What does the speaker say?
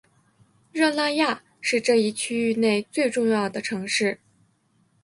热那亚是这一区域内最重要的城市。